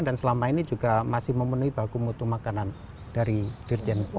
dan selama ini juga masih memenuhi baku mutu makanan dari dirjen pong